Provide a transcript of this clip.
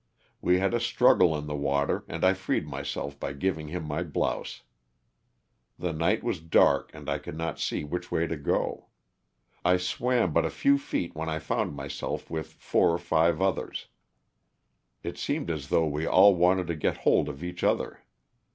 We had a struggle in the water and I freed myself by giving him my blouse. The night was dark and I could not see which way to go. I swam but a few feet when I found myself with four or five others. It seemed as though we all wanted to get hold of each other.